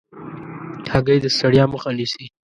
هګۍ د ستړیا مخه نیسي.